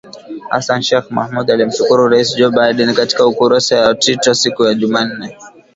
Hassan Sheikh Mohamud alimshukuru Rais Joe Biden katika ukurasa wa Twita siku ya Jumanne